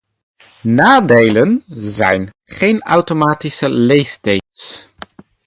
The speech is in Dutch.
Nadelen zijn: geen automatische leestekens.